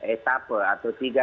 etape atau tiga